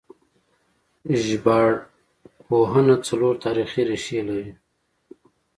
ژبارواپوهنه څلور تاریخي ریښې لري